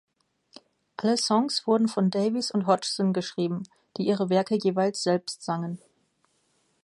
Alle Songs wurden von Davies und Hodgson geschrieben, die ihre Werke jeweils selbst sangen.